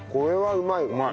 うまい。